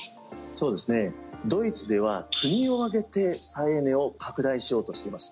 ドイツでは国を挙げて再エネを拡大しようとしています。